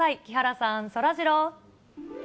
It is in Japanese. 木原さん、そらジロー。